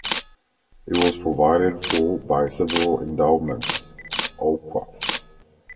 It was provided for by several endowments (awqaf).